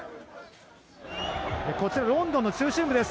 こちらロンドンの中心部です。